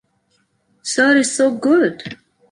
Sir is so good!